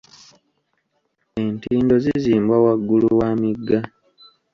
Entindo zizimbwa waggulu wa migga.